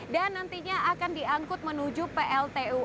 dan nantinya akan diangkut menuju pltu